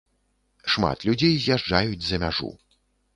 Шмат людзей з'язджаюць за мяжу.